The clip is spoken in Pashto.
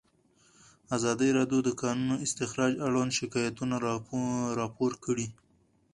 ازادي راډیو د د کانونو استخراج اړوند شکایتونه راپور کړي.